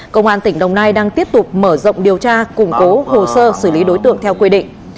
công an tỉnh đồng nai đang tiếp tục mở rộng điều tra củng cố hồ sơ xử lý đối tượng theo quy định